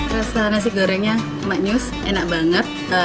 rasa nasi gorengnya maknyus enak banget